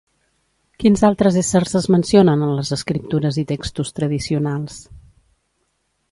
Quins altres éssers es mencionen en les Escriptures i textos tradicionals?